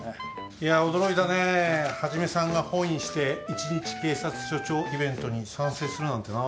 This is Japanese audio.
いや驚いたね一さんが翻意して１日警察署長イベントに賛成するなんてな。